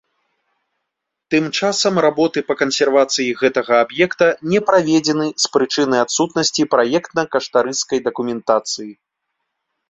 Тым часам работы па кансервацыі гэтага аб'екта не праведзены з прычыны адсутнасці праектна-каштарыснай дакументацыі.